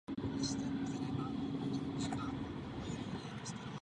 Tento čas zahrnuje také vytvoření výsledku v akumulátoru.